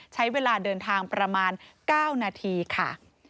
ใช้เวลาเดินทางประมาณ๙นาทีค่ะ